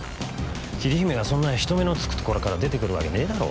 桐姫がそんな人目のつく所から出てくるわけねえだろ